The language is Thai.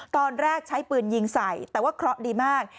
ตอนแรกใช้ปืนยิงใส่แต่ว่าเคราะห์ดีมาก